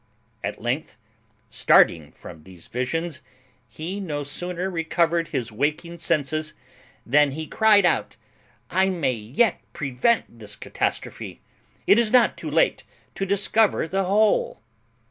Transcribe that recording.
At length, starting from these visions, he no sooner recovered his waking senses, than he cryed out "I may yet prevent this catastrophe. It is not too late to discover the whole."